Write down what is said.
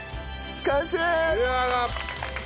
完成！